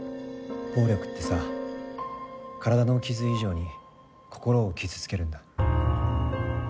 暴力ってさ体の傷以上に心を傷つけるんだ。